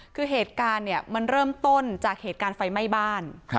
คือเหตุการณ์เนี่ยมันเริ่มต้นจากเหตุการณ์ไฟไหม้บ้าน